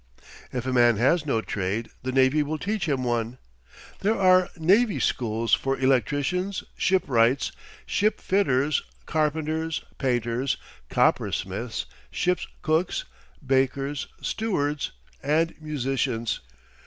If a man has no trade the navy will teach him one. There are navy schools for electricians, shipwrights, ship fitters, carpenters, painters, coppersmiths, ship's cooks, bakers, stewards, and musicians.